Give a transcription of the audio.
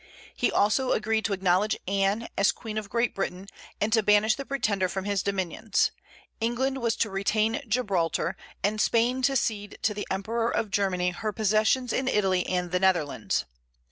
He also agreed to acknowledge Anne, as Queen of Great Britain, and to banish the Pretender from his dominions; England was to retain Gibraltar, and Spain to cede to the Emperor of Germany her possessions in Italy and the Netherlands.